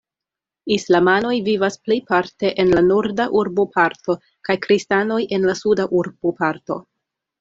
Islamanoj vivas plejparte en la norda urboparto kaj kristanoj en la suda urboparto.